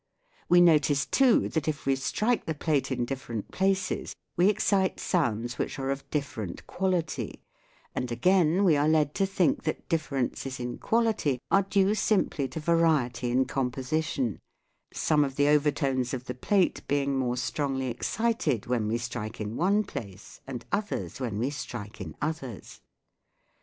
We notice too that if we strike the plate in different places we excite sounds which are of different quality ; and again we are led to think that differences in quality are due simply to variety in composition, some of the overtones of the plate being more strongly excited when we strike in one place and others when we strike in others.